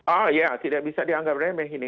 oh ya tidak bisa dianggap remeh ini